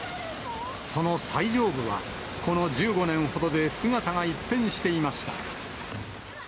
その最上部はこの１５年ほどで姿が一変していました。